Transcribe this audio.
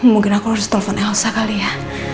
mungkin aku harus telepon elsa kali ya